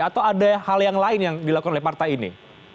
atau ada hal yang lain yang dilakukan oleh partai ini